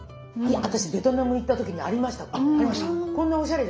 私ベトナム行った時にありましたこれ。